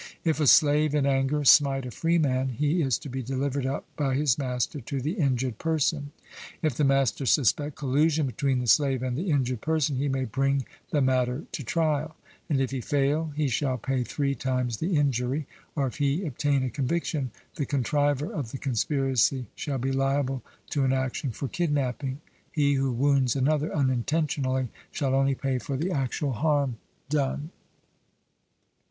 If a slave in anger smite a freeman, he is to be delivered up by his master to the injured person. If the master suspect collusion between the slave and the injured person, he may bring the matter to trial: and if he fail he shall pay three times the injury; or if he obtain a conviction, the contriver of the conspiracy shall be liable to an action for kidnapping. He who wounds another unintentionally shall only pay for the actual harm done.